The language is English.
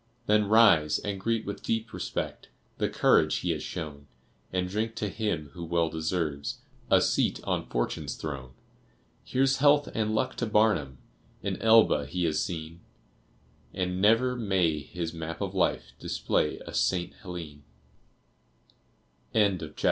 Then rise, and greet with deep respect, The courage he has shown, And drink to him who well deserves A seat on Fortune's throne. Here's health and luck to Barnum! An Elba he has seen, And never may his map of life Display a St. Helene! MRS. ANNA BACHE.